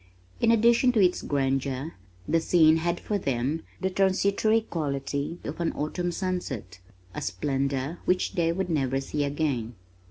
In addition to its grandeur the scene had for them the transitory quality of an autumn sunset, a splendor which they would never see again.